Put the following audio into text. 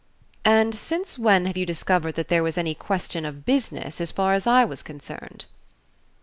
"And since when have you discovered that there was any question of business, as far as I was concerned?"